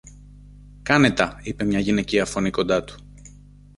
Κάνε τα, είπε μια γυναικεία φωνή κοντά του.